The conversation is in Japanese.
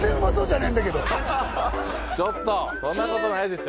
ちょっとそんなことないでしょ